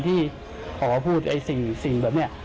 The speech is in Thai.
ที่ออกมาพูดสิ่งแบบนี้